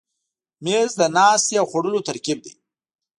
مېز د ناستې او خوړلو ترکیب دی.